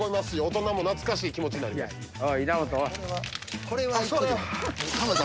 し大人も懐かしい気持ちになります。